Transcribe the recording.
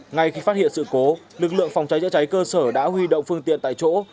ngay khi phát hiện sự cố lực lượng phòng cháy chữa cháy cơ sở đã huy động phương tiện tại chỗ